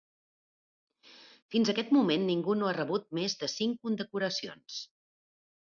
Fins aquest moment, ningú no ha rebut més de cinc condecoracions.